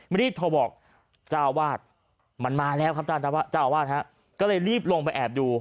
ไม่รีบโทรบอกจ้าวาทมันมาแล้วครับจ้าวาทฮะก็เลยรีบลงไปแอบอยู่